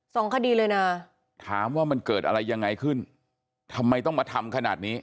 สองคดีเลยนะถามว่ามันเกิดอะไรยังไงขึ้นทำไมต้องมาทำขนาดนี้